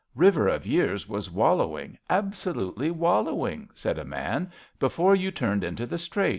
'' River of Tears was wallowing, absolutely wallowing," said a man, ^^ before you turned into the straight.